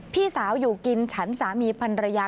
พี่สาวอยู่กินฉันสามีพันรยา